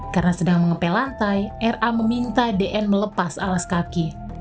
karena sedang mengepe lantai ra meminta dn melepas alas kaki